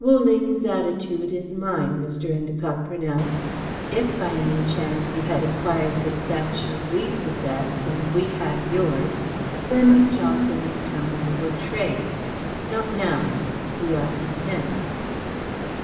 "Wu Ling's attitude is mine," Mr. Endacott pronounced. "If by any chance you had acquired the statue we possess and we had yours, the firm of Johnson and Company would trade. Not now. We are content."